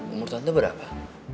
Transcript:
umur tante berapa